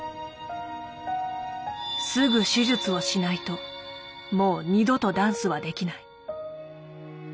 すぐ手術をしないともう二度とダンスはできない。